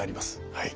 はい。